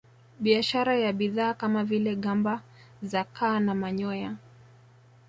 Biashara ya bidhaa kama vile gamba za kaa na manyoya